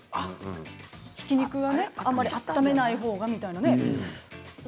ひき肉はあまり温めないほうが、とね。